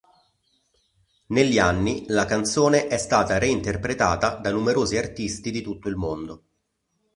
Negli anni, la canzone è stata reinterpretata da numerosi artisti di tutto il mondo.